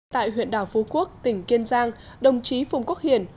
tại huyện đảo phú quốc tỉnh kiên giang đồng chí phùng quốc hiển